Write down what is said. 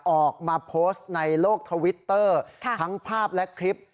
ออกมาโพสต์ในโลกทวิตเตอร์ทั้งภาพและคลิป